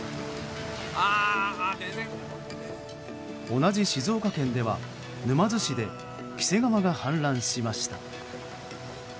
同じ静岡県では、沼津市で黄瀬川が氾濫しました。